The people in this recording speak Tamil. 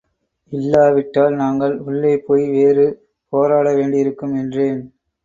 இல்லாவிட்டால் நாங்கள் உள்ளேபோய் வேறு போராட வேண்டியதிருக்கும். என்றேன்.